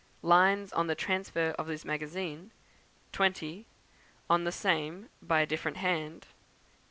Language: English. Lines on the Transfer of this Magazine; 20. On the Same, by a different hand; 21.